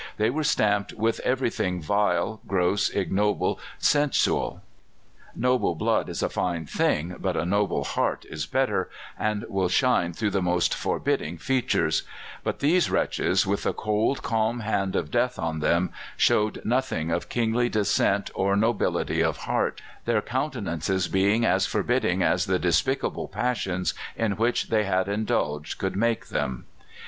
They were stamped with everything vile, gross, ignoble, sensual. Noble blood is a fine thing, but a noble heart is better, and will shine through the most forbidding features; but these wretches, with the cold, calm hand of death on them, showed nothing of kingly descent or nobility of heart, their countenances being as forbidding as the despicable passions in which they had indulged could make them."